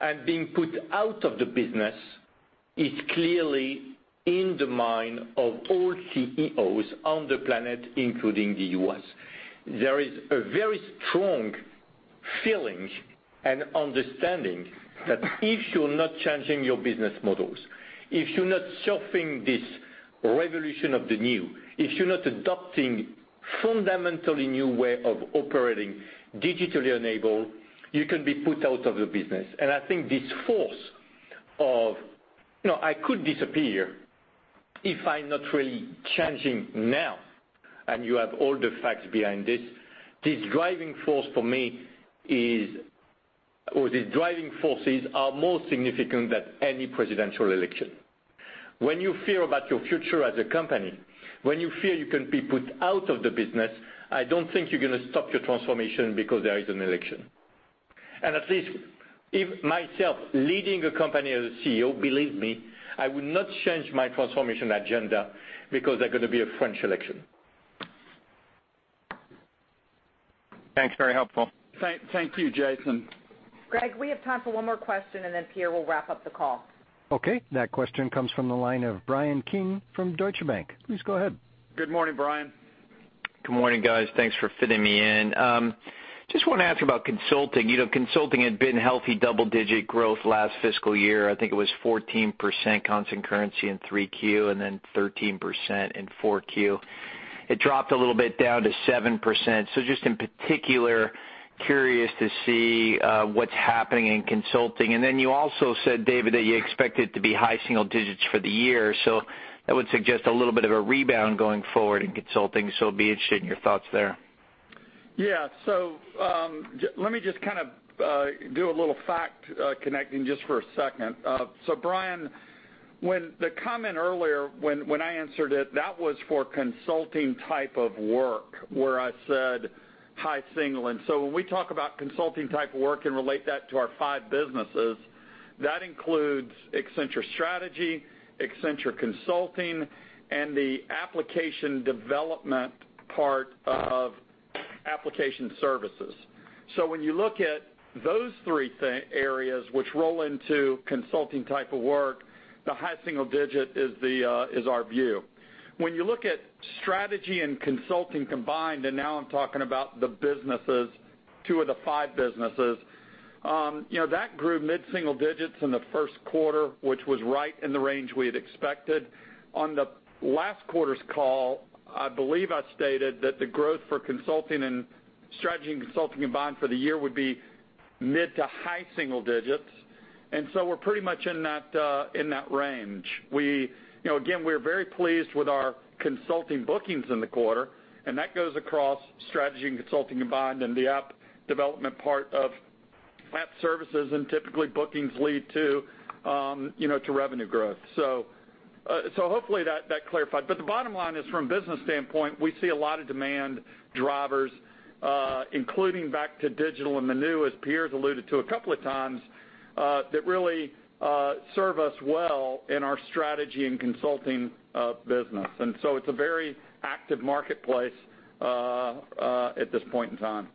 and being put out of the business is clearly in the mind of all CEOs on the planet, including the U.S. There is a very strong feeling and understanding that if you're not changing your business models, if you're not surfing this revolution of the new, if you're not adopting fundamentally new way of operating digitally enabled, you can be put out of the business. I think this force of, "I could disappear if I'm not really changing now," and you have all the facts behind this driving force for me is These driving forces are more significant than any presidential election. When you fear about your future as a company, when you fear you can be put out of the business, I don't think you're going to stop your transformation because there is an election. At least if myself, leading a company as a CEO, believe me, I would not change my transformation agenda because there's going to be a French election. Thanks. Very helpful. Thank you, Jason. Greg, we have time for one more question, and then Pierre will wrap up the call. Okay. That question comes from the line of Bryan Keane from Deutsche Bank. Please go ahead. Good morning, Bryan. Good morning, guys. Thanks for fitting me in. I just want to ask about consulting. Consulting had been healthy double-digit growth last fiscal year. I think it was 14% constant currency in 3Q, and then 13% in 4Q. It dropped a little bit down to 7%. Just in particular, curious to see what's happening in consulting. You also said, David, that you expect it to be high single digits for the year. That would suggest a little bit of a rebound going forward in consulting. I would be interested in your thoughts there. Yeah. Let me just do a little fact connecting just for a second. Brian, when the comment earlier, when I answered it, that was for consulting type of work, where I said high single. When we talk about consulting type of work and relate that to our five businesses, that includes Accenture Strategy, Accenture Consulting, and the application development part of Application Services. When you look at those three areas which roll into consulting type of work, the high single digit is our view. When you look at strategy and consulting combined, and now I'm talking about the businesses, two of the five businesses, that grew mid-single digits in the first quarter, which was right in the range we had expected. On the last quarter's call, I believe I stated that the growth for strategy and consulting combined for the year would be mid to high single digits. We're pretty much in that range. Again, we are very pleased with our consulting bookings in the quarter, and that goes across strategy and consulting combined and the app development part of Application Services, and typically bookings lead to revenue growth. Hopefully that clarified. The bottom line is, from business standpoint, we see a lot of demand drivers, including back to digital and the new, as Pierre's alluded to a couple of times, that really serve us well in our strategy and consulting business. It's a very active marketplace at this point in time.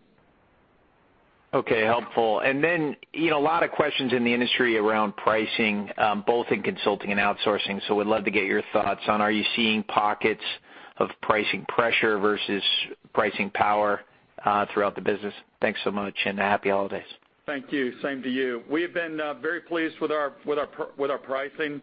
Okay. Helpful. A lot of questions in the industry around pricing, both in consulting and outsourcing. I would love to get your thoughts on, are you seeing pockets of pricing pressure versus pricing power throughout the business? Thanks so much, and happy holidays. Thank you. Same to you. We have been very pleased with our pricing.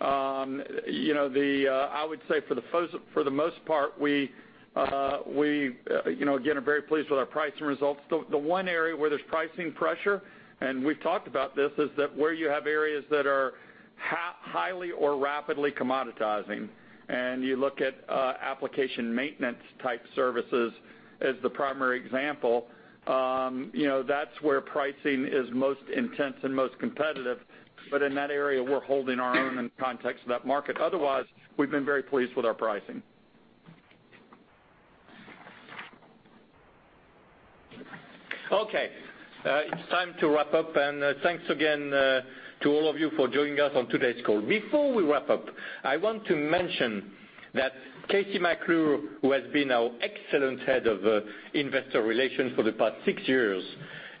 I would say for the most part, we again, are very pleased with our pricing results. The one area where there's pricing pressure, and we've talked about this, is that where you have areas that are highly or rapidly commoditizing, and you look at application maintenance type services as the primary example, that's where pricing is most intense and most competitive. In that area, we're holding our own in the context of that market. Otherwise, we've been very pleased with our pricing. Okay. It's time to wrap up, thanks again to all of you for joining us on today's call. Before we wrap up, I want to mention that KC McClure, who has been our excellent Head of Investor Relations for the past six years,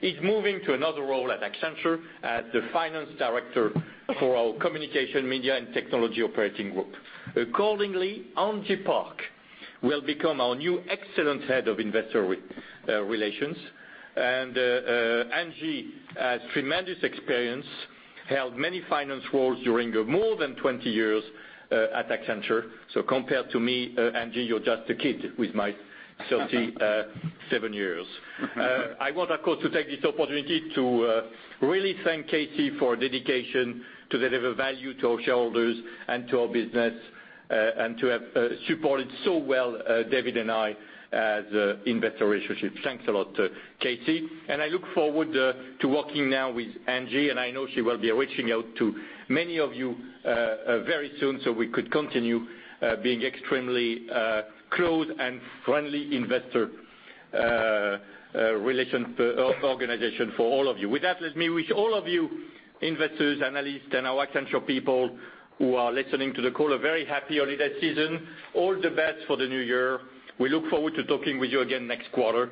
is moving to another role at Accenture as the Finance Director for our Communication, Media, and Technology Operating Group. Accordingly, Angie Park will become our new excellent Head of Investor Relations. Angie has tremendous experience, held many finance roles during her more than 20 years at Accenture. Compared to me, Angie, you're just a kid with my 37 years. I want, of course, to take this opportunity to really thank KC for her dedication to deliver value to our shareholders and to our business, and to have supported so well David and I as investor relationships. Thanks a lot, KC. I look forward to working now with Angie, and I know she will be reaching out to many of you very soon so we could continue being extremely close and friendly investor relations organization for all of you. With that, let me wish all of you investors, analysts, and our Accenture people who are listening to the call a very happy holiday season. All the best for the new year. We look forward to talking with you again next quarter.